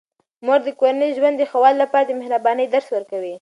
مور د کورني ژوند د ښه والي لپاره د مهربانۍ درس ورکوي.